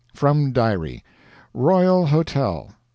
FROM DIARY: Royal Hotel.